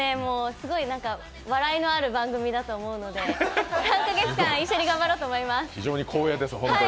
すごい笑いのある番組だと思うので３か月間、一緒に頑張ろうと思います。